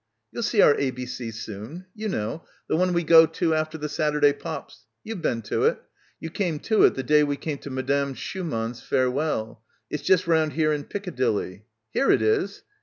"You'll see our ABC soon. You know. The one we go to after the Saturday pops. You've been to it. You came to it the day we came to — 26 — BACKWATER Madame Schumann's farewell. It's just round here in Piccadilly. Here it is.